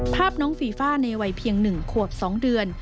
ภาพน้องฟีฟ่าในวัยเพียง๑ขวบ๒เดือน